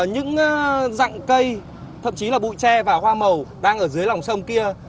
những dặn cây thậm chí là bụi tre và hoa màu đang ở dưới lòng sông kia